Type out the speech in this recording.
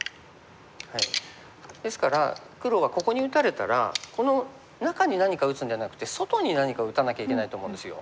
ですから黒はここに打たれたらこの中に何か打つんじゃなくて外に何か打たなきゃいけないと思うんですよ。